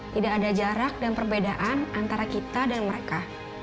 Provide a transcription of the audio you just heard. tidak ada jarak dan perbedaan antara kita dan mereka